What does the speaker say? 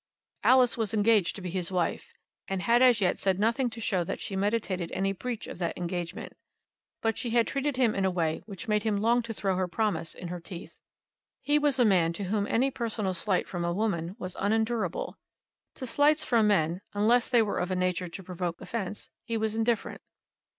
Alice was engaged to be his wife, and had as yet said nothing to show that she meditated any breach of that engagement, but she had treated him in a way which made him long to throw her promise in her teeth. He was a man to whom any personal slight from a woman was unendurable. To slights from men, unless they were of a nature to provoke offence, he was indifferent.